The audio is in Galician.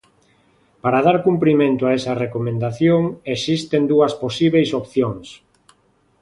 Para dar cumprimento a esa recomendación existen dúas posíbeis opcións.